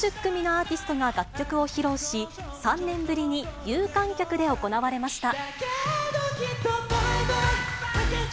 ことしは総勢６０組のアーティストが楽曲を披露し、３年ぶりに有観客で行われました。